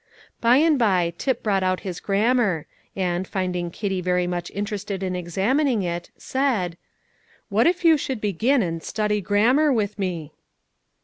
By and by Tip brought out his grammar, and, finding Kitty very much interested in examining it, said, "What if you should begin and study grammar with me?"